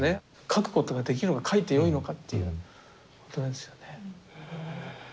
描くことができるが描いてよいのかっていうことなんですよね。